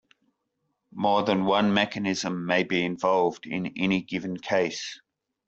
More than one mechanism may be involved in any given case.